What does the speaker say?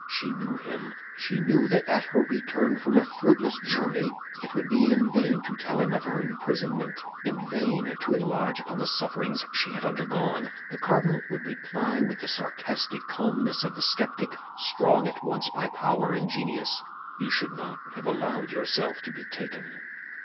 She knew him; she knew that at her return from a fruitless journey it would be in vain to tell him of her imprisonment, in vain to enlarge upon the sufferings she had undergone. The cardinal would reply, with the sarcastic calmness of the skeptic, strong at once by power and genius, "You should not have allowed yourself to be taken."